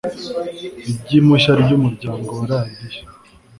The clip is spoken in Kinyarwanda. ry impushya ry umurongo wa radiyo